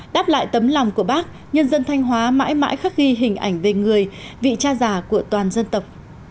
đáp lại tấm lòng của bác nhân dân thanh hóa mãi mãi khắc ghi hình ảnh về người vị cha già của toàn dân tộc